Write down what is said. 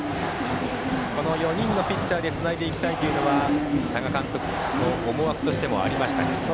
この４人のピッチャーでつないでいきたいというのは多賀監督の思惑としてもありましたが。